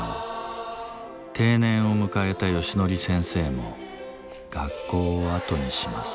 定年を迎えたヨシノリ先生も学校を後にします。